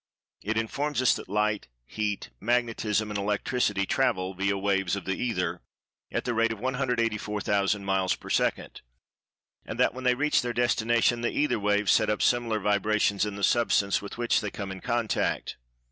It informs us that Light, Heat, Magnetism and Electricity "travel" (via waves of the "Ether") at the rate of 184,000 miles per second—and that when they reach their destination the "Ether waves" set up similar vibrations in the Substance with which they come in contact.